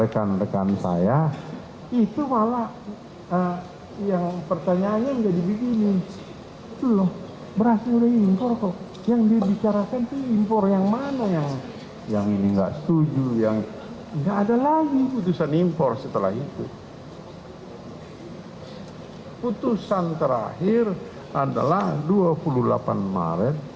keputusan terakhir adalah dua puluh delapan maret dua ribu delapan belas